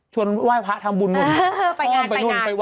ชวนไหว้พระทำบุญนู่น